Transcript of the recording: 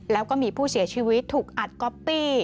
แล้วก็มีผู้เสียชีวิตถูกอัดก๊อปปี้